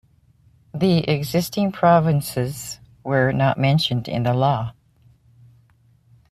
The existing provinces were not mentioned in the law.